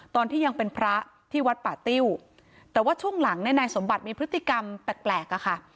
ตอนที่ยังเป็นพระที่วัดป่าติ้วแต่ว่าช่วงหลังเนี่ยนายสมบัติมีพฤติกรรมแปลกอะค่ะ